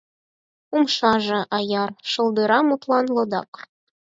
Умшаже — аяр, шолдыра мутлан лодак.